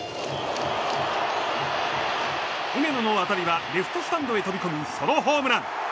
梅野の当たりはレフトスタンドに飛び込むソロホームラン。